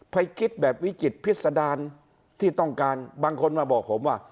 คิดแบบวิจิตพิษดารที่ต้องการบางคนมาบอกผมว่า